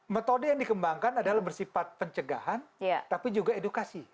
metode yang dikembangkan adalah bersifat pencegahan tapi juga edukasi